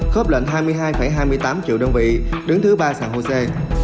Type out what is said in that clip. khớp lệnh hai mươi hai hai mươi tám triệu đơn vị đứng thứ ba sàn hồ sê